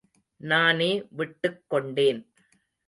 நானே விட்டுக் கொண்டேன்.